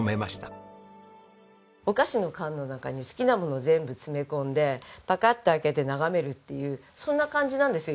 お菓子の缶の中に好きなもの全部詰め込んでパカッて開けて眺めるっていうそんな感じなんですよ